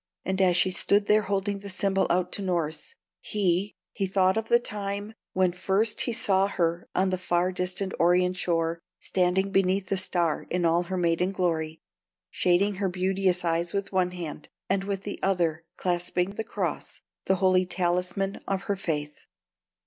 And as she stood there holding the symbol out to Norss, he he thought of the time when first he saw her on the far distant Orient shore, standing beneath the Star in all her maidenly glory, shading her beauteous eyes with one hand, and with the other clasping the cross, the holy talisman of her faith.